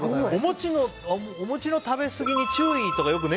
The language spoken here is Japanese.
お餅の食べすぎに注意とか、よく年